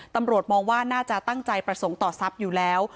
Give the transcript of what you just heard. ตำรวจมองว่าน่าจะตั้งใจประสงค์ต่อทรัพย์อยู่แล้ว